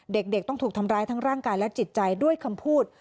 เด็กต้องถูกทำร้ายทั้งร่างกายและจิตใจด้วยคำพูด